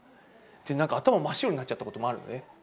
なんか頭、真っ白になっちゃったこともあるのね。